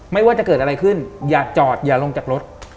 ไม่ว่าจะเกิดอะไรขึ้นอย่าจอดอย่าลงจากรถ